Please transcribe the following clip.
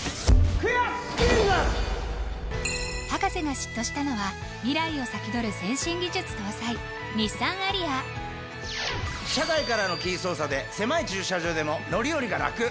博士が嫉妬したのは未来を先取る先進技術搭載日産アリア車外からのキー操作で狭い駐車場でも乗り降りがラク！